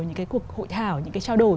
những cái cuộc hội thảo những cái trao đổi